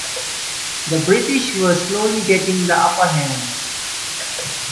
The British were slowly getting the upper hand.